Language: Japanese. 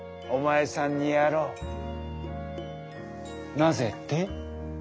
なぜって？